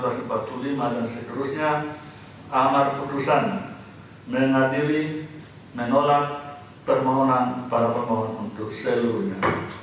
dan segerusnya amat keputusan mengatiri menolak permohonan para pemohon untuk seluruhnya